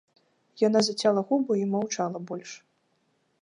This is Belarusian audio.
Яна зацяла губы і маўчала больш.